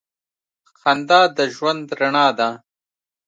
• خندا د ژوند رڼا ده.